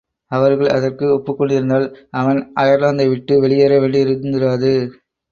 அவர்கள் அதற்கு ஒப்புக்கொண்டிருந்தால், அவன் அயர்லாந்தை விட்டு வெளியேற வேண்டியிருந்திராது.